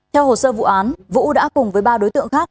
theo hồ sơ vụ án vũ đã cùng với ba đối tượng khác